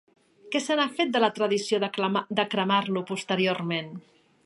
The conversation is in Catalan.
Què se n'ha fet, de la tradició de cremar-lo posteriorment?